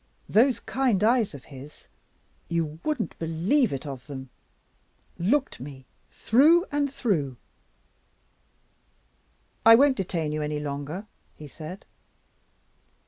Those kind eyes of his you wouldn't believe it of them! looked me through and through. 'I won't detain you any longer,' he said.